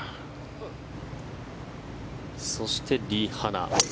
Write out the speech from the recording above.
そして、リ・ハナ。